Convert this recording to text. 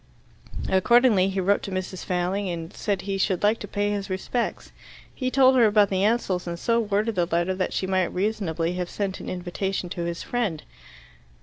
Accordingly he wrote to Mrs. Failing, and said he should like to pay his respects. He told her about the Ansells, and so worded the letter that she might reasonably have sent an invitation to his friend.